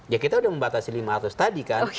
ya kita udah membatasi lima ratus tadi kan